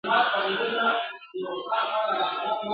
زما غویی که په منطقو پوهېدلای ..